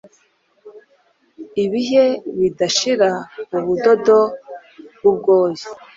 Ibihe bidashira Ubudodo bwubwoya